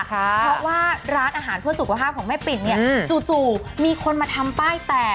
เพราะว่าร้านอาหารเพื่อสุขภาพของแม่ปิ่นเนี่ยจู่มีคนมาทำป้ายแตก